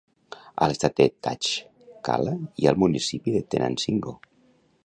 A l'estat de Tlaxcala hi ha el municipi Tenancingo.